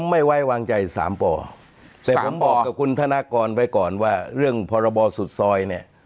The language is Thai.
ไม่ไว้วางใจสามป่อแต่ผมบอกกับคุณธนากรไว้ก่อนว่าเรื่องพรบสุดซอยเนี่ย